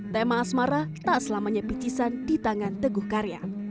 tema asmara tak selamanya picisan di tangan teguh karya